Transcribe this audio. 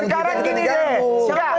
ini pak egy